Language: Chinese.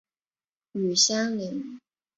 与相邻。